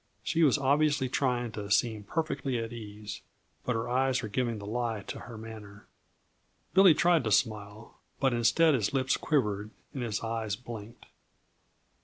She was obviously trying to seem perfectly at ease, but her eyes were giving the lie to her manner. Billy tried to smile, but instead his lips quivered and his eyes blinked.